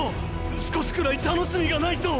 少しくらい楽しみがないと。